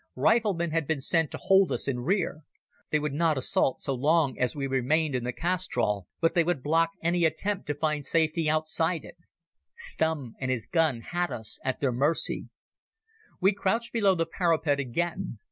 Riflemen had been sent to hold us in rear. They would not assault so long as we remained in the castrol, but they would block any attempt to find safety outside it. Stumm and his gun had us at their mercy. We crouched below the parapet again.